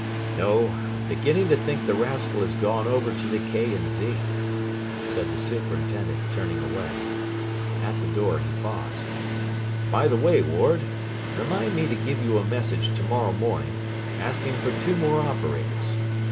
"No. I am beginning to think the rascal has gone over to the K. & Z.," said the superintendent, turning away. At the door he paused. "By the way, Ward, remind me to give you a message to morrow morning asking for two more operators.